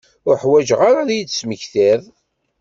Ur ḥwiǧeɣ ara ad iyi-d-tesmektiḍ.